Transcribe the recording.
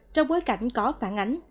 trong bối cảnh có phản ánh